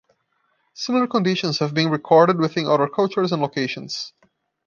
Similar conditions have been recorded within other cultures and locations.